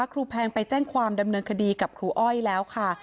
แพงไปแจ้งความดำเนินคดีกับครูอ้อยแล้วค่ะ